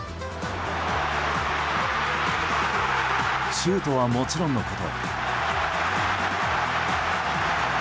シュートはもちろんのこと。